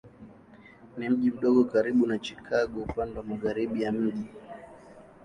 Ni mji mdogo karibu na Chicago upande wa magharibi ya mji.